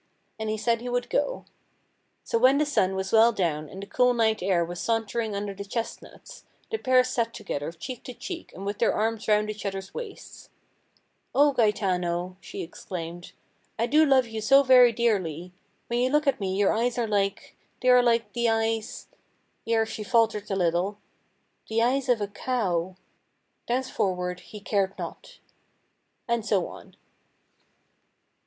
And he said he would go. So when the sun was well down and the cool night air was sauntering under the chestnuts, the pair sat together cheek to cheek and with their arms round each other's waists. "O Gaetano," she exclaimed, "I do love you so very dearly. When you look at me your eyes are like—they are like the eyes"—here she faltered a little—"the eyes of a cow." Thenceforward he cared not ... And so on.